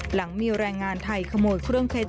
หลังมีแรงงานไทยขโมยเครื่องเพชร